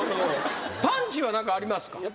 パンチは何かありますか？